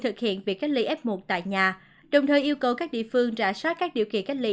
thực hiện việc cách ly f một tại nhà đồng thời yêu cầu các địa phương rà soát các điều kiện cách ly